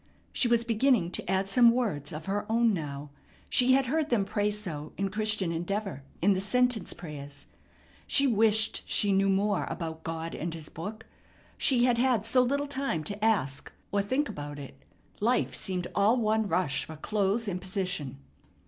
She was beginning to add some words of her own now. She had heard them pray so in Christian Endeavor in the sentence prayers. She wished she knew more about God, and His Book. She had had so little time to ask or think about it. Life seemed all one rush for clothes and position.